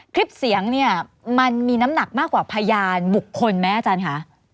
คลิปเสียงเนี่ยมันมีน้ำหนักมากกว่าพยานบุคคลไหมอาจารย์คะ